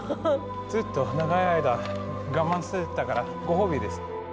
ずっと長い間我慢してたからご褒美です。